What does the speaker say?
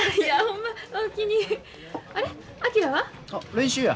練習や。